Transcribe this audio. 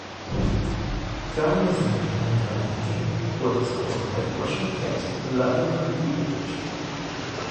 "Carnosine" and carnitine were discovered by Russian chemist Vladimir Gulevich.